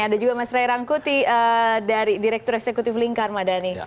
ada juga mas ray rangkuti dari direktur eksekutif lingkar madani